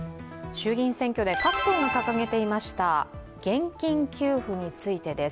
衆議院選挙で各党が掲げていました現金給付についてです。